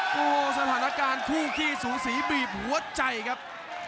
โอ้โหสถานการณ์คู่ขี้สูสีบีบหัวใจครับ